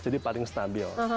jadi paling stabil